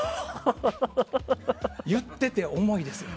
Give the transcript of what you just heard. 言っていて重いですよね。